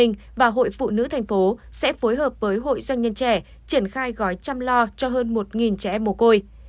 trong đó bắt đầu từ tuần sau ubnd tp hcm sẽ phối hợp với hội doanh nhân trẻ triển khai gói chăm lo cho hơn một trẻ mổ côi